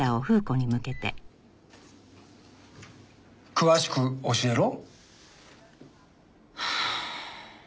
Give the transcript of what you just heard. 詳しく教えろ。